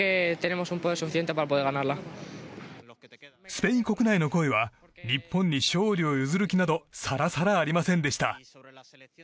スペイン国内の声は日本に勝利を譲る気などさらさらありませんでした。